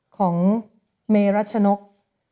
ของเมรัชนก